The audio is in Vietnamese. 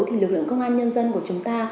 thì lực lượng công an nhân dân của chúng ta